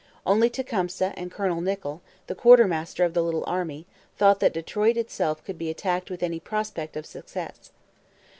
Only Tecumseh and Colonel Nichol, the quartermaster of the little army, thought that Detroit itself could be attacked with any prospect of success.